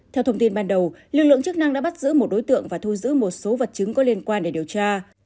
theo thông tin ban đầu lực lượng chức năng đã bắt giữ một đối tượng và thu giữ một số vật chứng có liên quan để điều tra